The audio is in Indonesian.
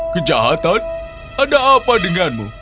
kejahatan ada apa denganmu